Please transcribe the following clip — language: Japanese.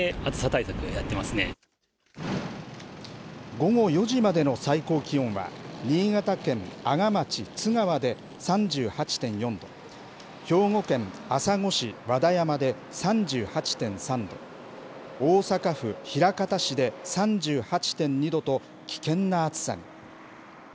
午後４時までの最高気温は、新潟県阿賀町津川で３８．４度、兵庫県朝来市和田山で３８．３度、大阪府枚方市で３８．２度と、危険な暑さに。